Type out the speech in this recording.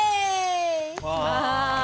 わあ。